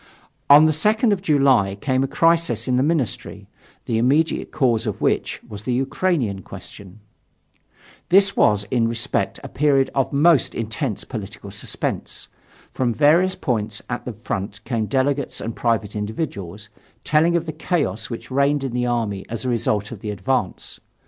On the 2nd of July came a crisis in the ministry, the immediate cause of which was the Ukrainian question. This was in every respect a period of most intense political suspense. From various points at the front came delegates and private individuals, telling of the chaos which reigned in the army as a result of the advance.